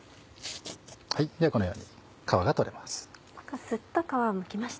このように皮が取れます。